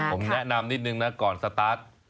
ผมแนะนำนิดนึงนะก่อนสตาร์ท